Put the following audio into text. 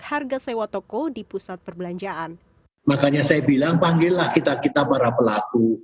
harga sewa toko di pusat perbelanjaan makanya saya bilang panggillah kita kita para pelaku